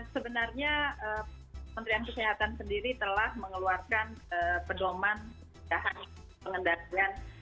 sebenarnya kementerian kesehatan sendiri telah mengeluarkan pedoman pengendalian